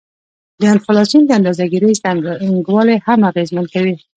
د انفلاسیون د اندازه ګيرۍ څرنګوالی هم اغیزمن کوي